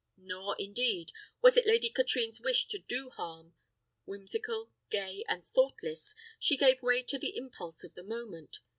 Nor, indeed, was it Lady Katrine's wish to do harm: whimsical, gay, and thoughtless, she gave way to the impulse of the moment.